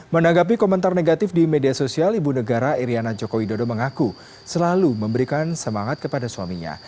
menanggapi komentar negatif di media sosial ibu negara iryana joko widodo mengaku selalu memberikan semangat kepada suaminya